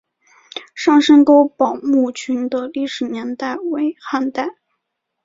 上深沟堡墓群的历史年代为汉代。